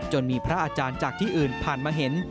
มีพระอาจารย์จากที่อื่นผ่านมาเห็น